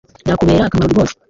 Bya kubera akamaro rwose